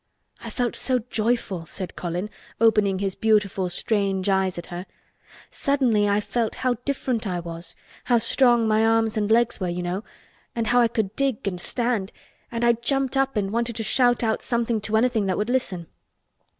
"I felt so joyful," said Colin, opening his beautiful strange eyes at her. "Suddenly I felt how different I was—how strong my arms and legs were, you know—and how I could dig and stand—and I jumped up and wanted to shout out something to anything that would listen."